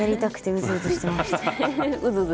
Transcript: うずうずしてました。